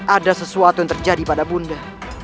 ada sesuatu yang terjadi pada bunda